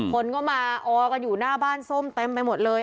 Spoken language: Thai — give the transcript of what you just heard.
คนก็มาออกันอยู่หน้าบ้านส้มเต็มไปหมดเลย